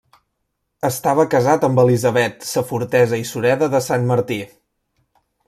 Estava casat amb Elisabet Safortesa i Sureda de Santmartí.